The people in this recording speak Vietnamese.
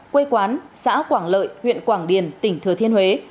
quê quán xã quảng lợi huyện quảng điền tỉnh thừa thiên huế